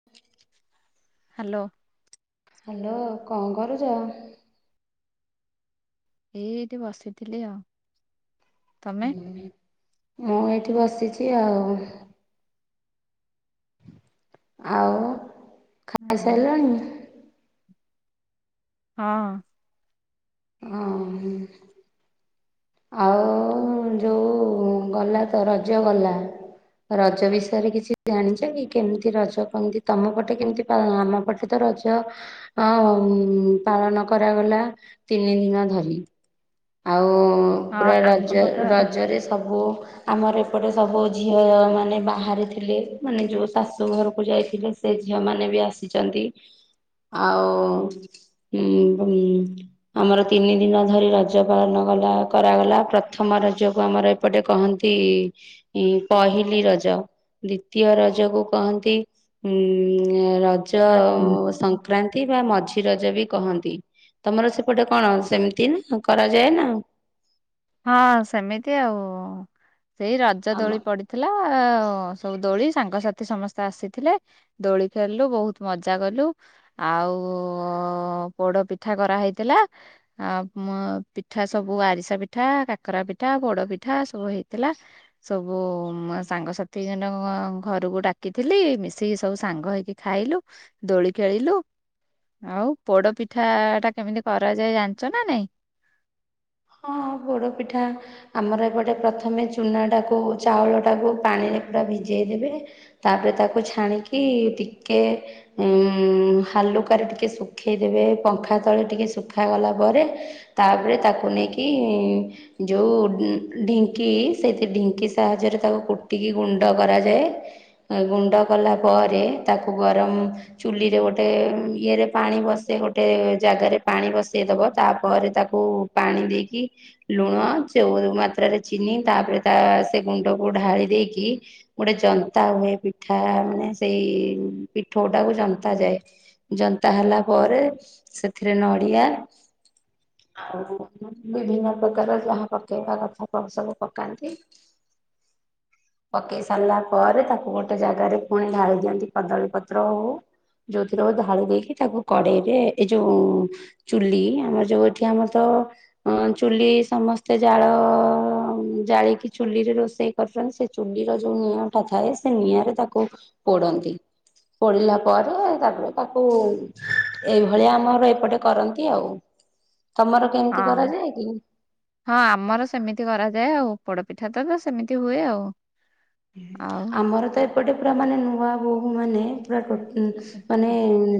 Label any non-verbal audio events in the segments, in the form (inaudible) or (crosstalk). (unintelligible) Hello. Hello କଁ କରୁଚ? ଏଇଠି ବସିଥିଲି ଆଉ। ତମେ? ମୁଁ ଏଇଠି ବସିଛି ଆଉ। ଆଉ ଆଉ ଖାଇସାରିଲଣି? ହଁ। ହଁ। ଆଉ ଯୋଉ ଗଲା ତ ରଜ ଗଲା। ରଜ ବିଷୟରେ କିଛି ଜାଣିଛ କି? କେମିତି ରଜ କେମତି ତମ ପଟେ କେମିତି ପାଳନ। ଆମ ପଟେ ତ ରଜ ଅଁ ଉଁ ପାଳନ କରାଗଲା ତିନି ଦିନ ଧରି। ଆଉ ପୁରା ହଁ ଆମ ରଜ ପଟ ରଜରେ ସବୁ ଆମର ଏପଟେ ସବୁ ଝିଅ ମାନେ ବାହାରେଥିଲେ ମାନେ ଯୋଉ ଶାଶୁ ଘରକୁ ଯାଇଥିଲେ ସେ ଝିଅ ମାନ ବି ଆସିଛନ୍ତି। ଆଉ ଉ ଭୁ ଆମର ତିନି ଦିନ ଧରି ର ରଜ ପାଳନ ଗଲା କରାଗଲା ପ୍ରଥମ ରଜକୁ ଆମର ଏପଟେ କହନ୍ତି ପହିଲି ରଜ। ଦ୍ଵିତୀୟ ରଜକୁ କହନ୍ତି ଉଁ ରଜ ସଂକ୍ରା ନ୍ତି ବା ମଝି ରଜ ବି କହନ୍ତି। ତମର ସେପଟେ କଣ ସେମିତି ନା କରାଯାଏ ନା? ହଁ ସେମିତି ଆଉ। ସେଇ ରଜ ଆମ ଦୋଳି ପଡି ଥିଲା ସବୁ ଦୋଳି ସାଙ୍ଗସାଥି ସମସ୍ତେ ଆସିଥିଲେ। ଦୋଳି ଖେଳିଲୁ ବହୁତ ମଜା କଲୁ। ଆଉ ପୋଡ ପିଠା କରାହେଇଥିଲା। ଆ ମ ପିଠା ସବୁ ଆରିସା ପି ଠା, କାକରା ପିଠା, ପୋଡ ପିଠା ସବୁ ହେଇଥିଲା। ସବୁ ସାଙ୍ଗସାଥି ଜଣ ଘରକୁ ଡାକିଥିଲି ମିଶିକି ସବୁ ସାଙ୍ଗ ହେଇକି ଖାଇଲୁ ଦୋଳି ଖେଳିଲୁ। ଆଉ ପୋଡ ପିଠା ଟା କେମିତି କରାଯାଏ ଜାଣିଛ ନା ନାଇଁ? ହଁ। ପୋଡ଼ ପିଠା ଆମର ଏପଟେ ପ୍ରଥମେ ଚୁନାଟାକୁ ଚାଉଳଟାକୁ ପାଣିରେ ପୁରା ଭିଜେଇ ଦେବେ। ତାପରେ ତାକୁ ଛାଣିକି ଟିକେ। ଉଁ ହାଲୁକାରେ ଟିକେ ଶୁଖେଇଦେବେ। ପଙ୍ଖା ତଳେ ଟିକେ ଶୁଖାଗଲା ପରେ ତାପରେ ତାକୁ ନେଇକି ଯୋଉ ଢିଙ୍କି ସେଇ ଢିଙ୍କି ସାହାଯ୍ୟରେ ତାକୁ କୁଟିକି ଗୁଣ୍ଡ କରାଯାଏ। ଗୁଣ୍ଡ କଲା ପରେ ତାକୁ ଗରମ ଚୁଲିରେ ଗୋଟେ ଇଏରେ ପାଣି ବସେଇ ଗୋଟେ ଜାଗାରେ ପାଣି ବସେଇ ଦବ ତାପରେ ତାକୁ ପାଣି ଦେଇକି ଲୁଣ ଚଉ ମାତ୍ରାରେ ଚିନି ତାପରେ ତା ସେ ଗୁଣ୍ଡକୁ ଢାଳି ଦେଇକି ଗୋଟେ ଜନ୍ତା ହୁଏ ପିଠା ମାନେ ସେଇ ପିଠ ଗୁଡାକୁ ଜନ୍ତା ଯାଏ। ଜନ୍ତା ହେଲା ପରେ ସେଥିରେ ନଡିଆ ବିଭିନ୍ନ ପ୍ରକାର ଯାହା ପକେଇବା କଥା ସବୁ ପକାନ୍ତି। ପକେଇ ସାରିଲା ପରେ ତାକୁ ଗୋଟେ ଜାଗାରେ ପୁଣି ଢାଳି ଦିଅନ୍ତି। କଦଳୀ ପତ୍ର ହଉ ଯୋଉଥିରେ ଉ ଢାଳି ଦେଇକି ତାକୁ କଡେଇରେ ଏଇ ଯୋଉ ଚୁଲି ଆମର ଯୋଉ ଏଠି ଆମର ତ ହଁ ଚୁଲି ସମସ୍ତେ ଜାଳ ଜାଳିକି ଚୁଲି ରେ ରୋଷେଇ। କରଚନ୍ତି ସେ ଚୁଲିର ଯୋଉ ନିଆଁ ଟା ଥାଏ ସେ ନିଆଁ ରେ ତାକୁ ପୋଡନ୍ତି। ପୋଡିଲା ପରେ ତାପରେ ତାକୁ ଏଇଭଳିଆ ଆମର ଏପଟେ କରନ୍ତି ଆଉ। ତମର କେ ହଁ। ହଁ ଆମର ସେମିତି କରାଯାଏ ଆଉ ପୋଡପିଠା ତ ସେମିତି ହୁଏ ଆଉ। ଆଉ ହ ଆମର ତ ଏପଟେ ପୁରା ମାନେ ନୂଆ। ବୋହୁ ମାନେ ପୁରା ଟୋ ଉ ମାନେ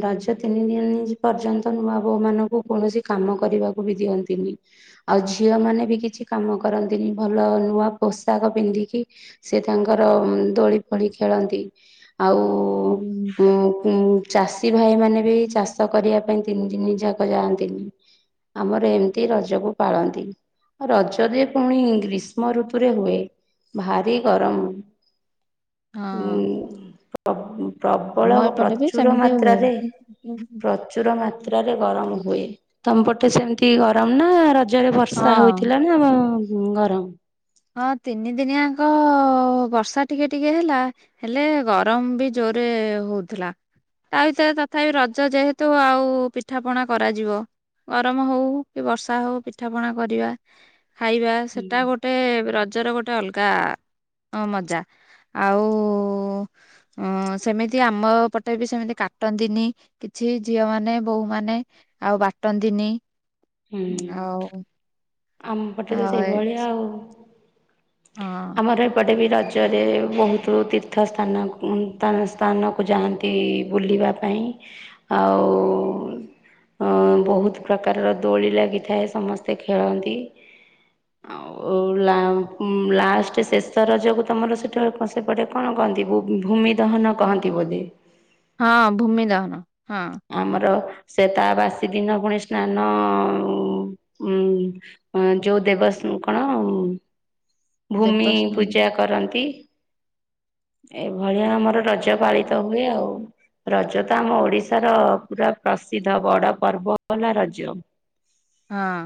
ରଜ ତିନି ଦିନ ପର୍ଯ୍ୟନ୍ତ ନୂଆ ବୋଉ ମାନଙ୍କୁ କୌଣସି କାମ କରିବାକୁ ବି ଦିଅନ୍ତିନି। ଆଉ ଝିଅ ମାନେ ବି କିଛି କାମ କରନ୍ତିନି। ଭଲ ନୂଆ ପୋଷାକ ପିନ୍ଧିକି ସେ ତାଙ୍କର ଦୋଳି ଫୋଳି ଖେଳନ୍ତି। ଆଉ ହଁ ଉଁ ଚାଷୀ ଭାଇ ମାନେ ବି ଚାଷ କରିବା ପାଇଁ ତିନି ଦିନି ଯାକ ଯାଆନ୍ତିନି। ଆମର ଏମତି ରଜକୁ ପାଳନ୍ତି। ରଜରେ ପୁଣି ଗ୍ରୀଷ୍ମ ଋତୁରେ ହୁଏ। ଭାରି ଗରମ ଉଁ ଆମ ପ୍ରବଳ ଏପଟେ ବି ପ୍ରଚୁର ସେମିତି ହୁଏ ମାତ୍ରାରେ ପ୍ରଚୁର ମା ତରେ ଗରମ ହୁଏ। ତମପଟେ ସେମିତି ଗରମ ନା ରଜରେ ବର୍ଷା ହଁ। ହଉଥିଲା? ନା ଆମ ଗରମ ହଁ ତିନି ଦିନି ଆଙ୍କ ବର୍ଷା ଟିକେ ଟିକେ ହେଲା। ହେଲେ ଗରମ ବି ଜୋରେ ହଉଥିଲା। ତା ଭିତରେ ତଥାପି ରଜ ଯେହେତୁ ଆଉ ପିଠା ପଣା କରାଯିବ। ଗରମ ହଉ କି ବର୍ଷା ହଉ ପିଠା ପଣା କରିବା ଖାଇବା ହୁଁ ସେଟା ଗୋ ରଜର ଗୋଟେ ଅଲଗା ଅ ମଜା ଆଉ ହଁ ସେମିତି ଆମ ପଟେ ବି ସେମିତି କାଟନ୍ତିନି କିଛି ଝିଅ ମାନେ ବୋହୂ ମାନେ ଆଉ ବାଟନ୍ତିନି। ହୁଁ ଆଉ ଆମ ପଟେ ତ ଆଉ ଏ ସେଇଭଳିଆ ଆଉ। ହଁ। ଆମର ଏପଟେ ବି ରାଜ୍ୟରେ ବହୁତ ତୀର୍ଥ ସ୍ଥାନ ଉ ତା ସ୍ଥାନକୁ ଯାଆନ୍ତି ବୁଲିବା ପାଇଁ ଆଉ ଅ ବହୁତ ପ୍ରକାରର ଦୋଳି ଲାଗିଥାଏ ସମସ୍ତେ ଖେଳନ୍ତି। ଆଉ ଲା ଲାଷ୍ଟ ଶେଷ ରଜ କୁ ତମର ସେଠୁ ସେପଟେ କଣ କହନ୍ତି ଭୂମି ଦହନ କହନ୍ତି ବୋଧେ? ହଁ ଭୂମି ଦହନ ହଁ। ଆମର ସେତାବାସୀ ଦିନ ପୁଣି ସ୍ନାନ ଉ ଅ ଯୋଉ ଦେବ ସ କଣ? ଭୂମି ଦେବସ୍ନାନ ପୂଜା କରନ୍ତି। ଏଇଭଳିଆ ଆମର ରଜ ପାଳିତ ହୁଏ ଆଉ। ରଜ ତ ଆମ ଓଡିଶା ତାର ପୁରା ପ୍ରସିଦ୍ଧ ବଡ ପର୍ବ ହେଲା ରଜ। ହଁ।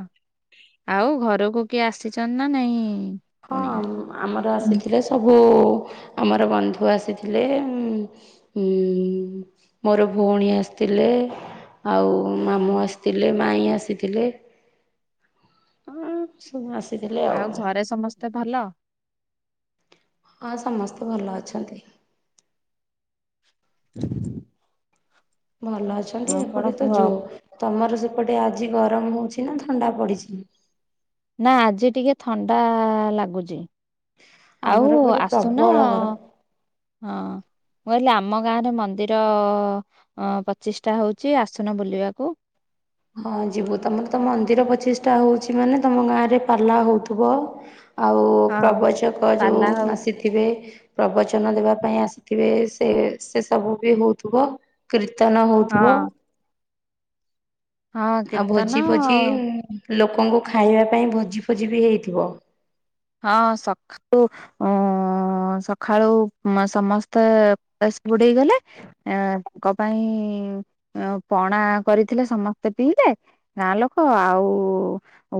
ଆଉ ଘରକୁ କିଏ ଆସିଚନ୍ତି ନା ନାଇଁ? ହଁ କୁଣିଆ? ଆମର ଆସିଥିଲେ ସବୁ ଆମର ବନ୍ଧୁ ଆସିଥିଲେ। ହୁଁ ମୋର ଭଉଣୀ ଆସିଥିଲେ। ଆଉ ମାମୁଁ ଆସିଥିଲେ ମାଇଁ ଆସିଥିଲେ। ସବୁ ଆସିଥିଲେ। ଆଉ ଘରେ ସମସ୍ତେ ଭଲ। ହଁ ସମସ୍ତେ ଭଲ ଅଛନ୍ତି। (inaudible) ଭଲ ଅଛନ୍ତି ଆଉ କଣ ଏପଟେ ତ କୁହ? ଯଉ। ତମର ସେପଟେ ଆଜି ଗରମ ହଉଛି ନା ଥଣ୍ଡା ପଡିଛି। ନା ଆଜି ଟିକେ ଥଣ୍ଡା ଲାଗୁଛି। ଆଉ ଆମର ଏପଟେ ଆସୁନ ପ୍ରବଳ ଗରମ। ହଁ। ମୁଁ କହିଲି ଆମ ଗାଁରେ ମନ୍ଦିର ପଚିଶଟା ହଉଛି ଆସୁନ ବୁଲିବାକୁ। ହଁ ଯିବୁ ତମର ତ ମନ୍ଦିର ପଚିଶଟା ହଉଛି ମାନେ ତମ ଗାଁ ରେ ପାଲା ହଉଥିବ। ଆଉ ହଁ ପ୍ରବଚକ ଯେଉଁ ପାଲା ହଉଛି ଆସିଥି ଥିବେ ପ୍ରବଚନ ଦେବା ପାଇଁ ଆସିଥିବେ ସେ ସେ ସବୁ ବି ହଉଥିବ। କୀର୍ତ୍ତନ ହଁ ହେଉଥିବ। ହଁ ଆଉ କୀର୍ତ୍ତନ ଭୋଜି ଭୋଜି ଲୋକଙ୍କୁ ଖାଇବା ପାଇଁ ଭୋଜି ଫୋଜି ବି ହେଇଥିବ। ହଁ ସ ଉ ସକାଳୁ ସମସ୍ତେ କଳସ ବୁଡେଇ ଗଲେ। ଏ ତାଙ୍କ ପାଇଁ ପଣା କରିଥିଲେ ସମସ୍ତେ ପିଇଲେ। ଗାଁ ଲୋକ ଆଉ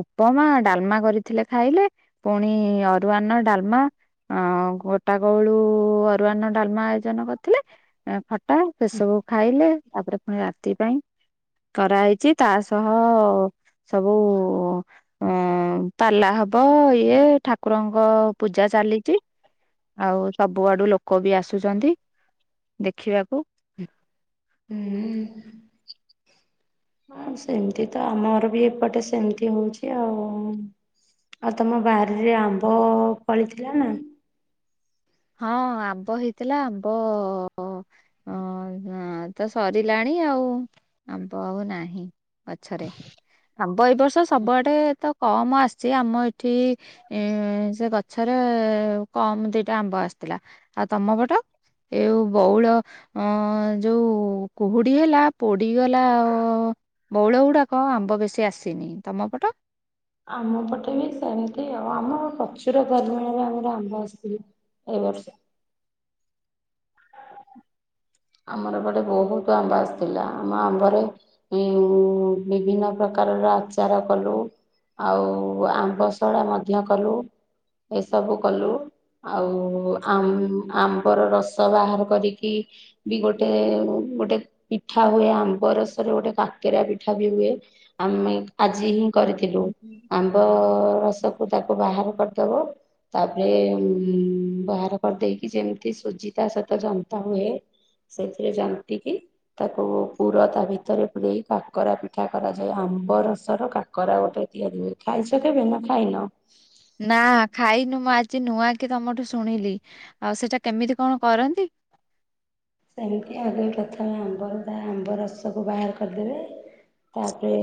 ଉପମା ଡାଲମା କରିଥିଲେ ଖାଇଲେ। ପୁଣି ଅରୁଆର୍ଣ୍ଣ ଡାଲମା ଅ ଗୋଟାକ ବେଳୁ ଅରୁଆାଅର୍ଣ୍ଣ ନଡାଲମା ଆୟୋଜନ କରିଥିଲେ ଫ ଖଟା ସେ ସବୁ ଖାଇଲେ ତାପରେ ପୁଣି ରାତି ପାଇଁ କରାହେଇଛି ତା ସହ ସବୁ ଅ (inaudible) ପାଲା ହବ। ଇଏ ଠାକୁରଙ୍କ ପୂଜା ଚାଲିଛି। ଆଉ ସବୁଆଡୁ ଲୋକ ବି ଆସୁଛନ୍ତି ଦେଖିବାକୁ। ହୁଁ। ହଁ ସେମିତି ତ ଆମର ବି ଏପଟେ ସେମିତି ହଉଛି ଆଉ। ଆଉ ତମ ବାରିରେ ଆମ୍ବ ଫଳିଥିଲା ନା। ହଁ ଆମ୍ବ ହେଇଥିଲା ଆମ୍ବ ହଁ ହ ତ ସରିଲାଣି ଆଉ। ଆମ୍ବ ଆଉ ନାହିଁ ଗଛରେ। ଆମ୍ବ ଏଇ ବର୍ଷ ସବୁଆଡେ ତ କମ ଆସିଛି ଆମ ଏଠି ଏ ସେ ଗଛରେ କମ ଦିଟା ଆମ୍ବ ଆସିଥିଲା ଆଉ ତମ ପଟ ଏଉ ବଉଳ ଅ ଯୋଉ କୁହୁଡି ହେଲା ପୋଡିଗଲା ଓ ବଉଳ ଗୁଡାକ ଆମ୍ବ ବେଶୀ ଆସିନି ତମ ପଟ ଆମପଟେ ବି ସେମିତି ଆଉ ଆମ ପ୍ରଚୁର ପରିମାଣ ରେ ଆମର ଆମ୍ବ ଆସିଥିଲା। ଏଇ ବର୍ଷ। ଆମର ଏପଟେ ବହୁତ ଆମ୍ବ ଆସିଥିଲା ଆମ ଆମ୍ବର ଉ ବିଭିନ୍ନ ପ୍ରକାରର ଆଚାର କଲୁ। ଆଉ ଆମ୍ବସଢା ମଧ୍ୟ କଲୁ ଏସବୁ କଲୁ। ଆଉ ଆମ୍ବର ରସ ବାହାର କରିକି ବି ଗୋଟେ ଗୋଟେ ପିଠା ହୁଏ ଆମ୍ବ ରସରେ ଗୋଟେ କାକେରା ପିଠା ବି ହୁଏ। ଆମେ ଆଜି ହିଁ କରିଥିଲୁ ହୁଁ ହୁଁ। ଆମ୍ବ ରସ। ତାକୁ ବାହାର କରିଦେବ। ତାପରେ ବାହାର କରିଦେଇକି ଯେମତି ସୁଜି ତା ସହିତ ଜନ୍ତା ହୁଏ ସେଇଥିରେ ଜନ୍ତି କି ତାକୁ ପୁର ତା ଭିତରେ ପୁରେଇ କାକରା ପିଠା କରାଯାଏ ଆମ୍ବ ରସର କା କାକରା ଗୋଟେ ତିଆରି ହୁଏ ଖାଇଛ କେବେ ନା ଖାଇନ? ନା ଖାଇନୁ ମୁଁ ଆଜି ନୂଆ କି ତମଠୁ ଶୁଣିଲି। ଆଉ ସେଇଟା କେମିତି କଣ କରନ୍ତି? ଏମିତି ଆଗେ ପ୍ରଥମେ ଆମ୍ବରୁ ତା ଆମ୍ବ ରସକୁ ବାହାର କରିଦେବେ। ତାପରେ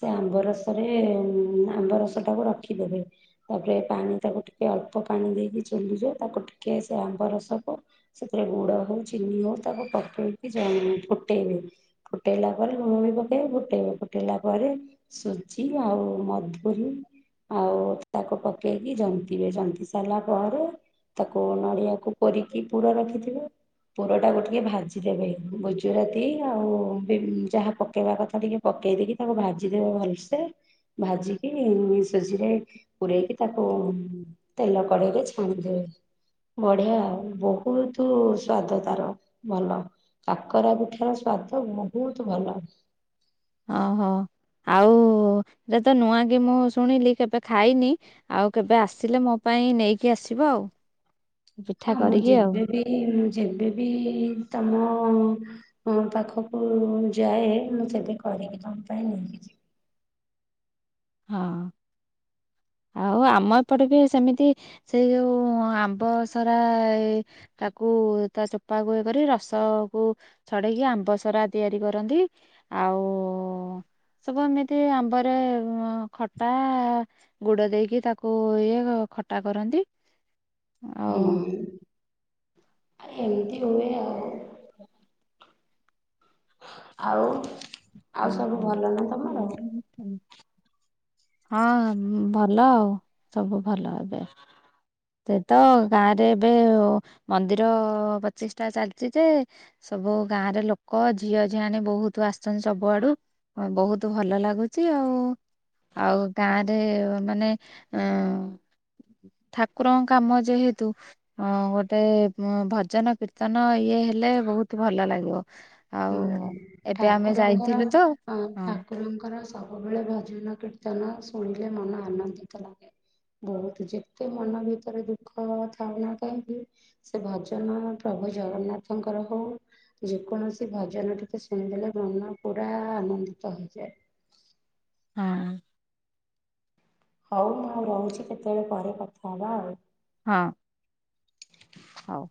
ସେ ଆମ୍ବ ରସରେ ଆମ୍ବ ରସ ଟାକୁ ରଖିଦେବେ। ତାପରେ ପାଣି ତାକୁ ଟିକେ ଅଳ୍ପ ପାଣି ଦେଇକି ଚୁଲିରେ ତାକୁ ଟିକିଏ ସେ ଆମ୍ବ ରସକୁ ସେଥିରେ ଗୁଡ ହଉ ଚିନି ହଉ ତାକୁ ପକେଇକି ଯ ଫୁଟେଇଦେବେ। ଫୁଟେଇଲା ପରେ ଲୁଣ ବି ପକେଇବେ ଫୁଟେଇବେ। ଫୁଟେଇଲା ପରେ ସୁଜି ଆଉ ମଧୁରୀ। ଆଉ ତାକୁ ପକେଇକି ଜନ୍ତିବେ ଜନ୍ତି ସାରିଲା ପରେ‌ ତାକୁ ନଡିଆକୁ କୋରିକି ପୁର ରଖିଥିବେ। ପୁର ଟାକୁ ଟିକେ ଭାଜିଦେବେ। ଗୁଜୁରାତି ଆଉ ବିଭ୍ ଯାହା ପକେଇବା କଥା ଟିକେ ପକେଇ ଦେଇକି ତାକୁ ଭାଜିଦେବେ ଭଲସେ। ଭାଜିକି ସୁଜିରେ ପୁରେଇକି ତାକୁ ତେଲ କଡେଇରେ ଛାଣିଦେବେ। ବଢିଆ ଆଉ ବହୁତୁ ସ୍ଵାଦ ତାର ଭଲ, କାକରା ପିଠାର ସ୍ଵାଦ ବହୁତ ଭଲ। ଓହୋ, ଆଉ ଏଇଟାତ ନୂଆ କି ମୁଁ ଶୁଣିଲି କେବେ ଖାଇନି। ଆଉ କେବେ ଆସିଲେ ମୋ ପାଇଁ ନେଇକି ଆସିବ ଆଉ। ହଁ ପିଠା ମୁଁ କରିକି ଆଉ ଯେବେବି ମୁଁ ଯେବେବି ତମ ତମ ପାଖକୁ ଯାଏ, ମୁଁ ସେବେ କରିକି ତମ ପାଇଁ ନେଇକି ଯିବି। ହଁ ଆଉ ଆମ ଏପଟେ ବି ସେମିତି ସେଇ ଯୋଉ ଆମ୍ବସରା ତାକୁ ତା ଚୋପାକୁ ଇଏ କରି ରସକୁ ଛଡେଇକି ଆମ୍ବ ସରା ତିଆରି କରନ୍ତି ଆଉ ସବୁ ଏମିତି ଆମ୍ବରେ ଖଟା ଗୁଡ ଦେଇକି ତାକୁ ଇଏ ଖଟା କରନ୍ତି। ହଁ ଆଉ ଆଉ ଏମତି ହୁଏ ଆଉ। ଆଉ ଆଉ ସବୁ ଭଲ ନା ତମର? (unintelligible) ହଁ ଭଲ ଆଉ, ସବୁ ଭଲ ଏବେ। ସେ ତ ଗାଁରେ ଏବେ ମନ୍ଦିର ପ୍ରତିଷ୍ଠା ଚାଲିଛି ଯେ ସବୁ ଗାଁରେ ଲୋକ ଝିଅ ଝିଆଣି ବହୁତ ଆସିଛନ୍ତି। ସବୁଆଡୁ ବହୁତ ଭଲ ଲାଗୁଛି ଆଉ। ଆଉ ଗାଁରେ ମାନେ ଏଁ ଠାକୁରଙ୍କ କାମ ଯେହେତୁ ହଁ ଗୋଟେ ଭଜନ କୀର୍ତ୍ତନ ଇଏ ହେଲେ ବହୁତ ଭଲ ଲାଗିବ। ହୁଁ ହୁଁ, ଆଉ ଏବେ ଆମେ ଠାକୁରଙ୍କର ଯାଇଥିଲୁ ତ ଅ ହଁ ଠାକୁରଙ୍କର ସବୁବେଳେ ଭଜନ କୀର୍ତ୍ତନ ଶୁଣିଲେ ମନ ଆନନ୍ଦିତ ଲାଗେ। ବହୁତ, ଯେତେ ମନ ଭିତରେ ଦୁଃଖ ଥାଉ ନା କାହିଁକି ସେ ଭଜନ ପ୍ରଭୁ ଜଗନ୍ନାଥଙ୍କର ହଉ ଯେ କୌଣସି ସେ ଭଜନ ଟିକେ ଶୁଣିଦେଲେ ମନ ପୁରା ଆନନ୍ଦିତ ହେଇଯାଏ। ହଁ। ହଉ ମୁଁ ରହୁଛି କେତେବେଳେ ପରେ କଥା ହବା ଆଉ। ହଁ। ହଉ।